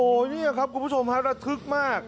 โอ้โหนี่ครับคุณผู้ชมฮะระทึกมาก